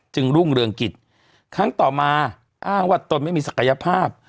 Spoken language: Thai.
รุ่งเรืองกิจครั้งต่อมาอ้างว่าตนไม่มีศักยภาพ